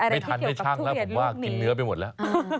ไม่ทันได้ชั่งแล้วผมว่ากินเนื้อไปหมดแล้ว